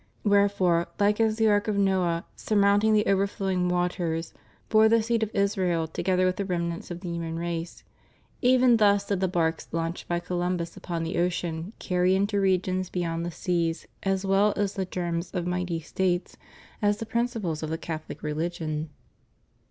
Wherefore, like as the Ark of Noe, surmounting the overflowing waters, bore the seed of Israel together with the remnants of the human race, even thus did the barks launched by Columbus upon the ocean carry into regions beyond the seas as well the germs of mighty States as the principles of the Catholic religion.